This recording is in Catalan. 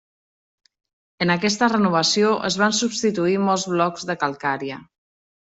En aquesta renovació es van substituir molts blocs de calcària.